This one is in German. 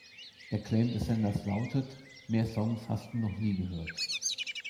Der Claim des Senders lautet: "Mehr Songs hast du noch nie gehört!